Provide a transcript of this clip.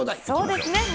そうですね。